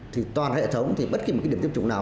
thì toàn hệ thống thì bất kỳ một cái điểm tiêm chủng nào